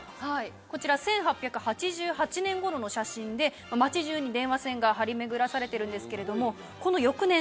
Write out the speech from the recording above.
こちら１８８８年頃の写真で街じゅうに電話線が張り巡らされてるんですけれども。